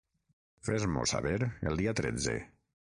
Fes-m'ho saber el dia tretze.